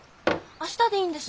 明日でいいんです。